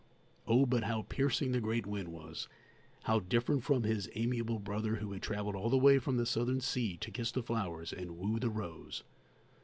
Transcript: Oh, but how piercing the great wind was; how different from his amiable brother who had travelled all the way from the Southern sea to kiss the flowers and woo the rose!